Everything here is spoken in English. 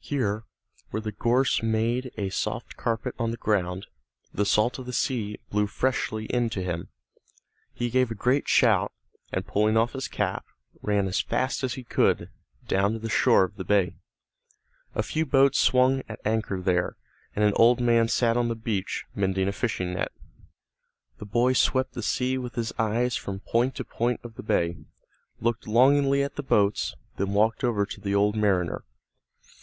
Here, where the gorse made a soft carpet on the ground, the salt of the sea blew freshly in to him. He gave a great shout, and pulling off his cap, ran as fast as he could, down to the shore of the bay. A few boats swung at anchor there, and an old man sat on the beach, mending a fishing net. The boy swept the sea with his eyes from point to point of the bay, looked longingly at the boats, then walked over to the old mariner.